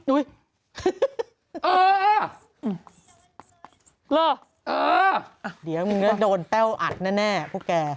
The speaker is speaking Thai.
อุ๊ยเออล่ะเออเดี๋ยวมึงจะโดนแป้วอัดแน่พวกแก